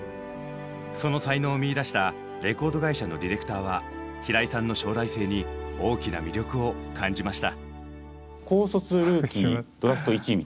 その才能を見いだしたレコード会社のディレクターは平井さんの将来性に大きな魅力を感じました。